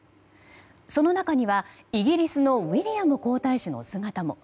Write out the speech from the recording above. その中にはイギリスのウィリアム皇太子の姿も。